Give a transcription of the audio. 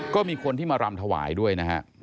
ก็มีคนที่มารำถวายด้วยนะฮะ